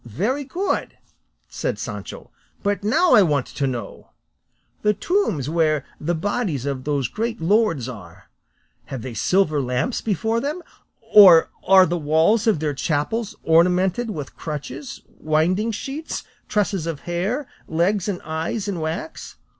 "Very good," said Sancho; "but now I want to know the tombs where the bodies of those great lords are, have they silver lamps before them, or are the walls of their chapels ornamented with crutches, winding sheets, tresses of hair, legs and eyes in wax?